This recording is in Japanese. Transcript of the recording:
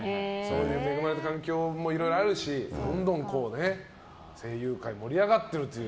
恵まれた環境もいろいろあるしどんどん声優界、盛り上がってるという。